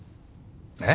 えっ？